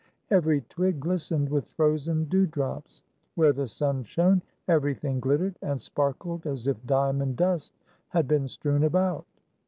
Every twig glistened with frozen dewdrops. Where the sun shone, everything glittered and sparkled, as if diamond dust had been strewn about.